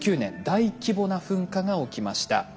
大規模な噴火が起きました。